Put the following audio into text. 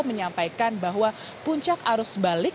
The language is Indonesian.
menyampaikan bahwa puncak arus balik